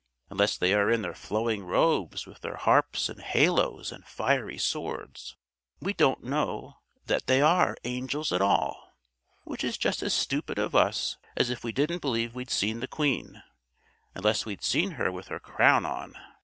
Unless they are in their flowing robes with their harps and halos and fiery swords, we don't know that they are angels at all: which is just as stupid of us as if we didn't believe we'd seen the Queen, unless we'd seen her with her crown on.